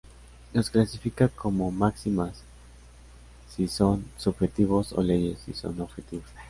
Los clasifica como máximas si son subjetivos o leyes si son objetivos.